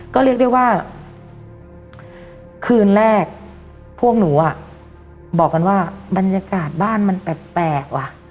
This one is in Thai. ก็เรียกได้ว่าคืนแรกพวกหนูอ่ะบอกกันว่าบรรยากาศบ้านมันแปลกว่ะ